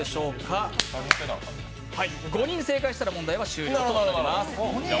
５人正解したら問題は終了となります。